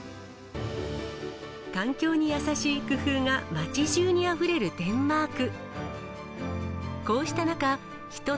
環境に優しい工夫が街じゅうにあふれるデンマーク。